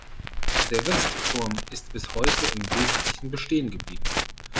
Der Westturm ist bis heute im Wesentlichen bestehen geblieben.